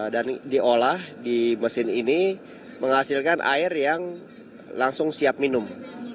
dan diolah di mesin ini menghasilkan air yang langsung siap minum